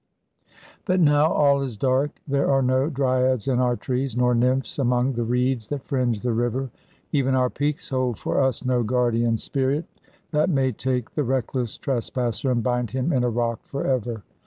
But now all is dark. There are no dryads in our trees, nor nymphs among the reeds that fringe the river; even our peaks hold for us no guardian spirit, that may take the reckless trespasser and bind him in a rock for ever.